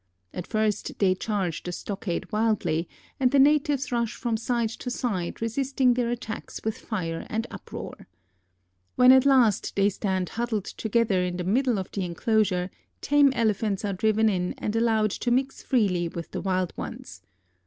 At first they charge the stockade wildly, and the natives rush from side to side, resisting their attacks with fire and uproar. When at last they stand huddled together in the middle of the enclosure tame Elephants are driven in and allowed to mix freely with the wild ones.